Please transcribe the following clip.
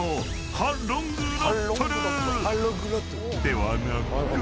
［ではなく］